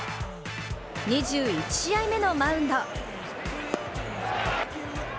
２１試合目のマウンド。